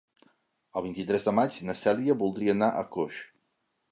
El vint-i-tres de maig na Cèlia voldria anar a Coix.